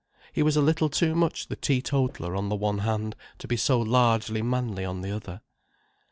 He was a little too much the teetotaller on the one hand to be so largely manly on the other.